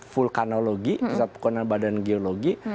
vulkanologi pesat pekunan badan geologi